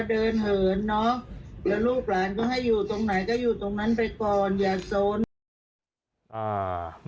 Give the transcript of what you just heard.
เดี๋ยวลูกหลานก็ให้อยู่ตรงไหนก็อยู่ตรงนั้นไปก่อนอย่าโซน